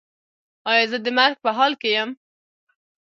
ایا زه د مرګ په حال کې یم؟